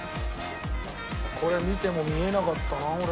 これ見ても見えなかったな俺。